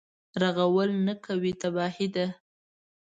رغول نه کوي تباهي ده.